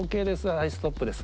はいストップです。